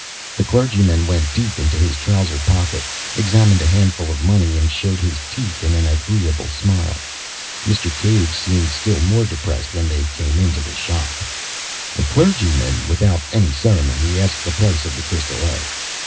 The clergyman went deep into his trouser pocket, examined a handful of money, and showed his teeth in an agreeable smile. Mr. Cave seemed still more depressed when they came into the shop. The clergyman, without any ceremony, asked the price of the crystal egg.